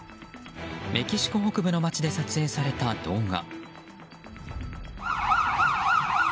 メキシコ北部の街で撮影された動画。